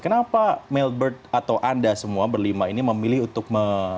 kenapa mailbird atau anda semua berlima ini memilih untuk